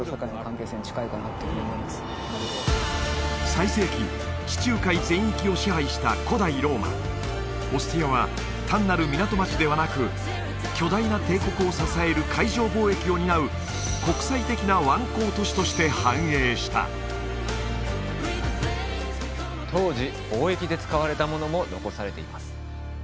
最盛期地中海全域を支配した古代ローマオスティアは単なる港町ではなく巨大な帝国を支える海上貿易を担う国際的な湾口都市として繁栄した当時貿易で使われたものも残されています